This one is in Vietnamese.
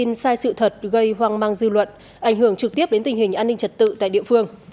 thông tin sai sự thật gây hoang mang dư luận ảnh hưởng trực tiếp đến tình hình an ninh trật tự tại địa phương